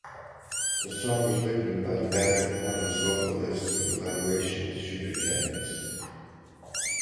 The song was written by the band eponymous vocalist in collaboration with Shooter Jennings.